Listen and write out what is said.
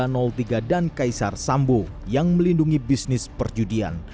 sorsium tiga ratus tiga dan kaisar sambo yang melindungi bisnis perjudian